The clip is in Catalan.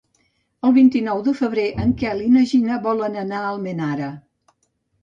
El vint-i-nou de febrer en Quel i na Gina volen anar a Almenara.